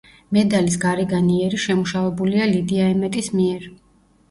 მედალის გარეგანი იერი შემუშავებულია ლიდია ემეტის მიერ.